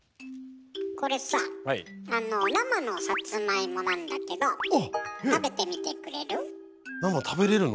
これさあの生のサツマイモなんだけど食べてみてくれる？